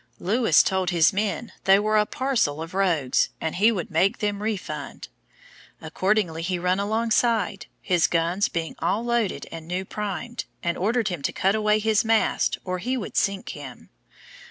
Lewis told his men they were a parcel of rogues, and he would make them refund; accordingly he run alongside, his guns being all loaded and new primed, and ordered him to cut away his mast or he would sink him.